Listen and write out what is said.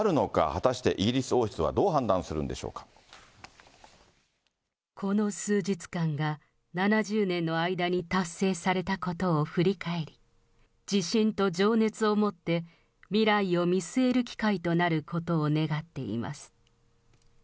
果たして、イギリス王室はどう判この数日間が、７０年の間に達成されたことを振り返り、自信と情熱をもって未来を見据える機会となることを願っています。